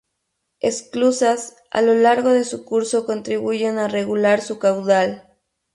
Esclusas a lo largo de su curso contribuyen a regular su caudal.